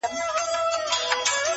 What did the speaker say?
• چي پیسې لري هغه د نر بچی دی,